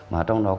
mà trong đó có